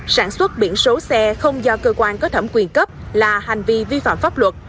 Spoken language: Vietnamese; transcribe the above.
sản xuất biển số xe không do cơ quan có thẩm quyền cấp là hành vi vi phạm pháp luật